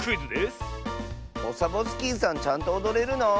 オサボスキーさんちゃんとおどれるの？